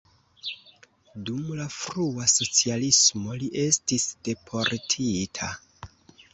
Dum la frua socialismo li estis deportita.